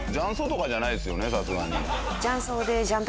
さすがに。